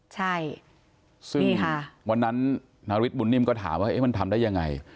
ใช่นี่ค่ะวันนั้นนาวิทย์บุญนิมก็ถามว่าเอ๊ะมันทำได้ยังไง